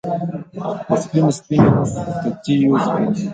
په سپینو، سپینو تتېو سپینو